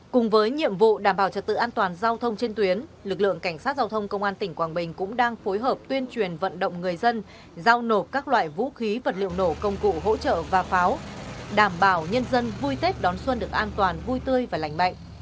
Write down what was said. cùng với nhiệm vụ đảm bảo trật tự an toàn giao thông trên tuyến lực lượng cảnh sát giao thông công an tỉnh quảng bình cũng đang phối hợp tuyên truyền vận động người dân giao nộp các loại vũ khí vật liệu nổ công cụ hỗ trợ và pháo đảm bảo nhân dân vui tết đón xuân được an toàn vui tươi và lành mạnh